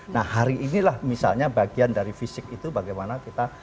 nah hari inilah misalnya bagian dari fisik itu bagaimana kita